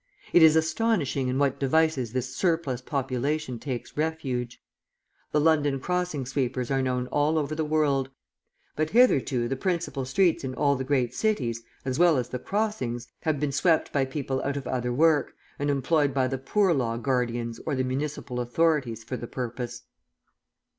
It is astonishing in what devices this "surplus population" takes refuge. The London crossing sweepers are known all over the world; but hitherto the principal streets in all the great cities, as well as the crossings, have been swept by people out of other work, and employed by the Poor Law guardians or the municipal authorities for the purpose.